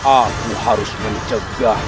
aku harus mencegah